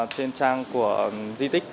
trên trang của di tích